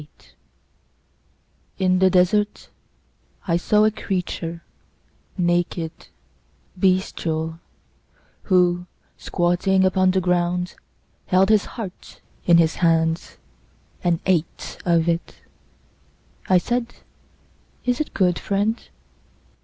III In the desert I saw a creature, naked, bestial, who, squatting upon the ground, Held his heart in his hands, And ate of it. I said, "Is it good, friend?"